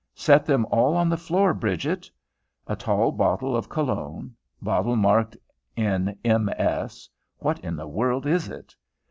"Set them all on the floor, Bridget." A tall bottle of Cologne. Bottle marked in MS. What in the world is it?